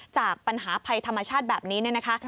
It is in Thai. จากปัญหาภัยธรรมชาติแบบนี้เนี่ยนะคะ